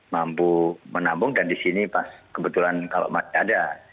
mampu menampung dan di sini pas kebetulan kalau masih ada